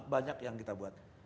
banyak yang kita buat